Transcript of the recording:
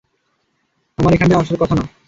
আমার এখানটায় আসার কথা না।